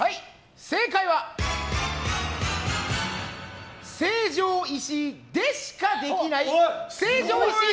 正解は成城石井でしか、できない成城石井